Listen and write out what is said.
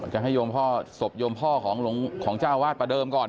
จะให้โยมพ่อศพโยมพ่อของเจ้าวาดประเดิมก่อน